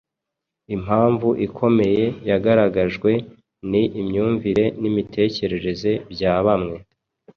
Impamvu ikomeye yagaragajwe ni imyumvire n’imitekerereze bya bamwe.